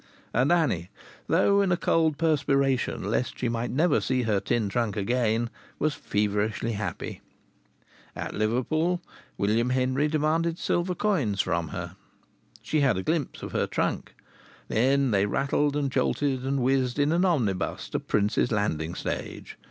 And Annie, though in a cold perspiration lest she might never see her tin trunk again, was feverishly happy. At Liverpool William Henry demanded silver coins from her. She had a glimpse of her trunk. Then they rattled and jolted and whizzed in an omnibus to Prince's Landing Stage.